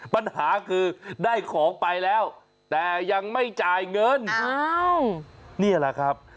ปัญหาคือได้ของไปแล้วแต่ยังไม่จ่ายเงินอ้าวนี่แหละครับ